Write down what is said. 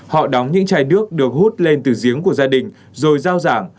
họ đóng những chai nước được hút lên từ giếng của gia đình rồi giao giảng